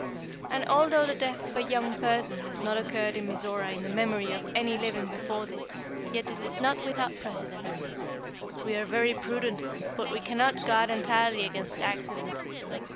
And, although the death of a young person has not occurred in Mizora in the memory of any living before this, yet it is not without precedent. We are very prudent, but we cannot guard entirely against accident.